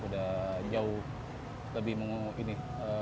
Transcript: jadi jauh lebih mau ini